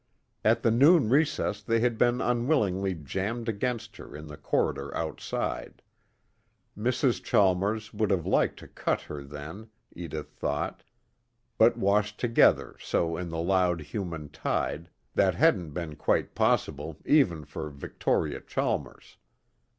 At the noon recess they had been unwillingly jammed against her in the corridor outside. Mrs. Chalmers would have liked to cut her then, Edith thought, but washed together so in the loud human tide, that hadn't been quite possible even for Victoria Chalmers.